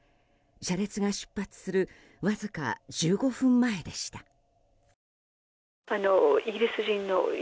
車列が出発するわずか１５分前でした。